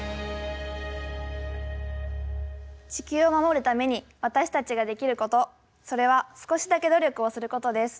地球を守るために私たちができることそれは少しだけ努力をすることです。